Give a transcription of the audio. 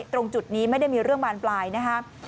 ตรงจุดนี้ไม่ได้มีเรื่องบานปลายนะครับ